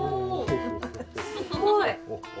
すごい。